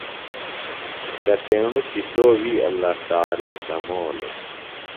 کتیݨوۡ شِشوووِی اللہ تعالیٰ سمولوۡ۔